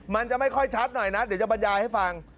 มันจะไม่ค่อยชัดหน่อยนะเดี๋ยวจะบรรยายให้ฟัง